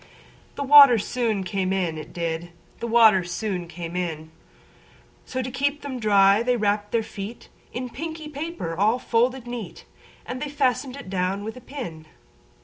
The water it soon came in, it did; The water it soon came in:So, to keep them dry, they wrapp'd their feetIn a pinky paper all folded neat:And they fasten'd it down with a pin.